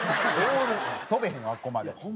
飛べへんわあそこまで。